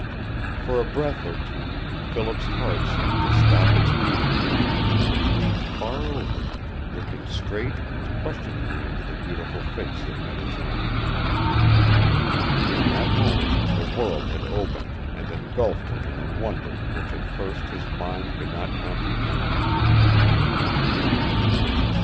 For a breath or two Philip's heart seemed to stop its beating, and he leaned far over, looking straight and questioningly into the beautiful face that met his own. In that moment the world had opened and engulfed him in a wonder which at first his mind could not comprehend.